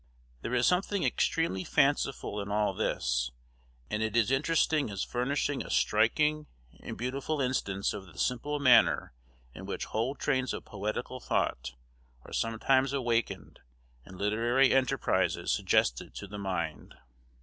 There is something extremely fanciful in all this, and it is interesting as furnishing a striking and beautiful instance of the simple manner in which whole trains of poetical thought are sometimes awakened and literary enterprises suggested to the mind.